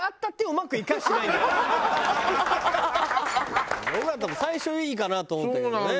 尾形も最初いいかなと思ったけどね。